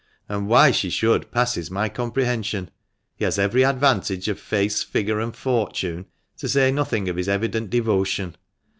And why she should passes my comprehension. He has every advantage of face, figure, and fortune, to say nothing of his evident devotion.